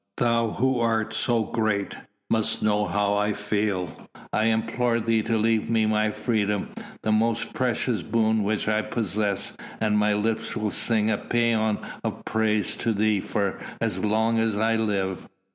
Thou who art so great, must know how I feel. I implore thee leave me my freedom, the most precious boon which I possess, and my lips will sing a pæan of praise to thee for as long as I live."